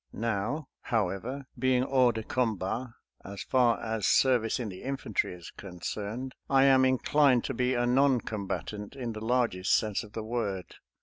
Now, HOT SKIRMISH— WOUNDED 259 however, being Tiors de cornbat as far as service in the infantry is concerned, I am inclined to be a noncombatant in the largest sense of the word.